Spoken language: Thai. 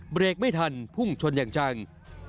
เบรกไม่ทันพุ่งชนอย่างจัง